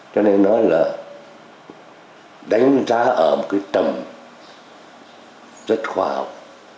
cho nên nói là đánh giá ở một cái tầm rất khoa học